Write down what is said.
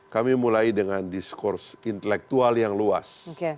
kami mulai dengan diskurs intelektual yang luas